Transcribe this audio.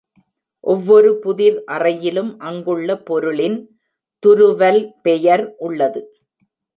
ஒவ்வொரு புதிர் அறையிலும் அங்குள்ள பொருளின் துருவல் பெயர் உள்ளது.